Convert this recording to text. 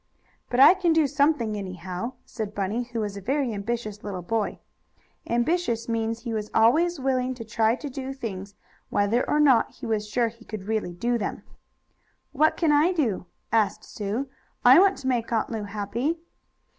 "But I can do something, anyhow," said Bunny, who was a very ambitious little boy. Ambitious means he was always willing to try to do things, whether or not he was sure he could really do them. "What can I do?" asked Sue. "I want to make Aunt Lu happy."